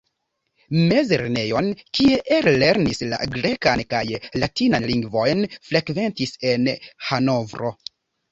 Mezlernejon, kie ellernis la grekan kaj latinan lingvojn, frekventis en Hanovro.